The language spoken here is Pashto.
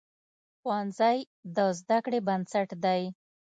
ښوونځی د زده کړې بنسټ دی.